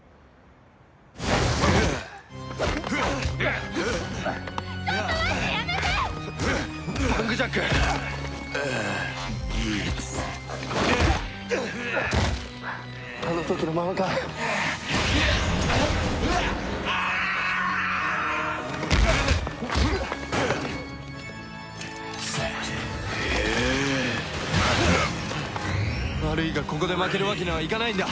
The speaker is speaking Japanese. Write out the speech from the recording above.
「ＭＡＧＮＵＭ」悪いがここで負けるわけにはいかないんだ！